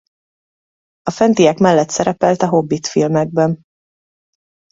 A fentiek mellett szerepelt A hobbit filmekben.